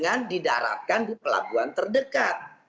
dengan didaratkan di pelabuhan terdekat